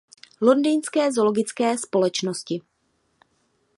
Londýnské zoologické společnosti.